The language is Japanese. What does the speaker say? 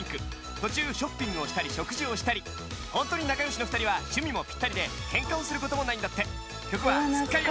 途中ショッピングをしたり食事をしたり本当に仲よしの２人は趣味もピッタリでケンカをすることもないんだってうわ懐かしい。